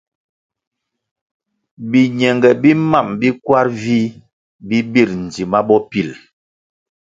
Biñenge bi mam bi kwar vih bi bir ndzima bopil.